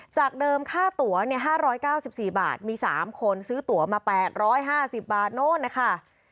จากเดิมค่าตัว๕๙๔บาทมี๓คนซื้อตัวมา๘๕๐บาทโน้นนะคะ